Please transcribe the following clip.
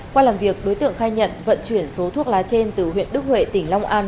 qua làm việc đối tượng khai nhận vận chuyển số thuốc lá trên từ huyện đức huệ tỉnh long an